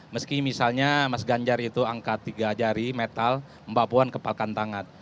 meski misalnya mas ganjar itu angkat tiga jari metal mbak puan kepalkan tangan